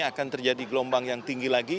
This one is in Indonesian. akan terjadi gelombang yang tinggi lagi